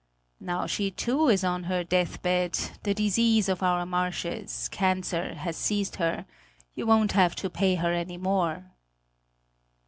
Now she too is on her deathbed; the disease of our marshes, cancer, has seized her; you won't have to pay her any more."